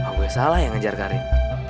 apa gue salah ya ngejar karin